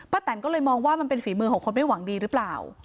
แตนก็เลยมองว่ามันเป็นฝีมือของคนไม่หวังดีหรือเปล่า